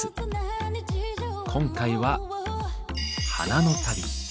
今回は「花の旅」。